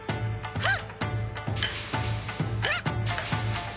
はっ！